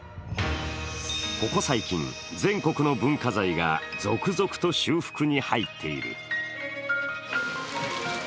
ここ最近、全国の文化財が続々と修復に入っている。